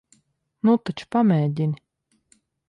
Nu taču, pamēģini.